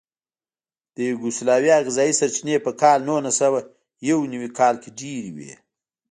د یوګوسلاویا غذایي سرچینې په کال نولسسوهیونوي کال کې ډېرې وې.